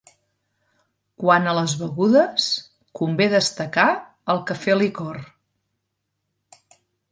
Quant a les begudes, convé destacar el Café-Licor.